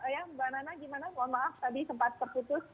ya mbak nana gimana mohon maaf tadi sempat terputus